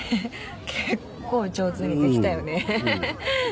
結構上手にできたよね。